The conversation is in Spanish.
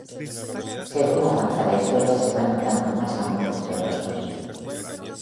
Según avanza la historia se va notando más amor entre los dos.